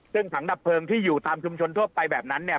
ซึ่งถังดับเพลิงที่อยู่ตามชุมชนทั่วไปแบบนั้นเนี่ย